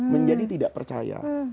menjadi tidak percaya